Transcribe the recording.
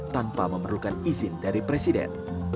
tanpa memerlukan izin dari presiden